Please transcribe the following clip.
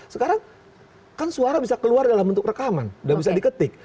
sekarang kan suara bisa keluar dalam bentuk rekaman udah bisa diketik